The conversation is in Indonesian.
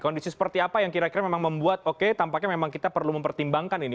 kondisi seperti apa yang kira kira memang membuat oke tampaknya memang kita perlu mempertimbangkan ini